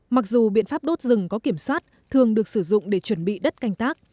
mặc dù biện pháp đốt rừng có kiểm soát thường được sử dụng để chuẩn bị đất canh tác